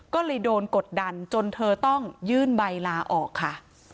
ก็เลยโดนกดดันจนเธอต้องยื่นใบลาออกค่ะ